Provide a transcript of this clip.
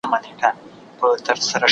د کار حاصل له پخوا څخه لوړ پاته سوی و.